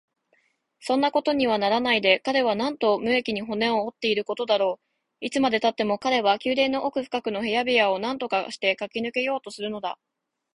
そんなことにはならないで、彼はなんと無益に骨を折っていることだろう。いつまでたっても彼は宮殿の奥深くの部屋部屋をなんとかしてかけ抜けようとするのだ。